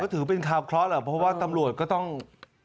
แต่ก็ถือเป็นคราวคลอสแหละเพราะว่าตำรวจก็ต้องเชิญไป